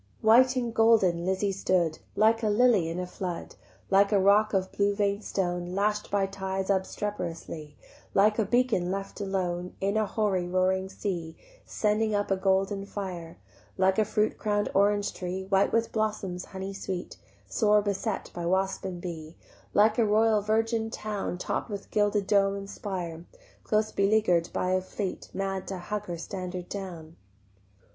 White and golden Lizzie stood, Like a lily in a flood, Like a rock of blue vein'd stone Lash'd by tides obstreperously, Like a beacon left alone In a hoary roaring sea, Sending up a golden fire, Like a fruit crown'd orange tree White with blossoms honey sweet Sore beset by wasp and bee, Like a royal virgin town Topp'd with gilded dome and spire Close beleaguer'd by a fleet Mad to tug her standard down.